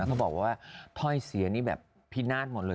เขาบอกว่าถ้อยเสียนี่แบบพินาศหมดเลย